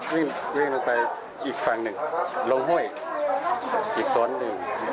วิ่งลงไปอีกฝั่งหนึ่งลงห้วยอีกสวนหนึ่ง